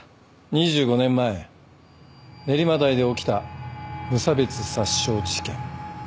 ２５年前練馬台で起きた無差別殺傷事件。